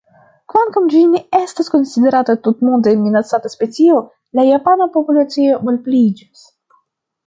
Kvankam ĝi ne estas konsiderata tutmonde minacata specio, la japana populacio malpliiĝas.